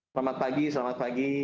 selamat pagi selamat pagi